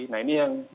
nah ini yang